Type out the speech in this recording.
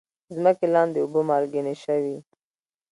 د ځمکې لاندې اوبه مالګینې شوي؟